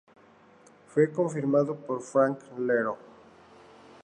Fue confirmado por Frank Iero.